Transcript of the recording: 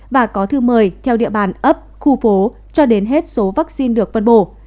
và có thư mời theo địa bàn ấp khu phố cho đến hết số vaccine được phân bổ